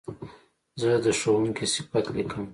زه د ښوونکي صفت لیکم.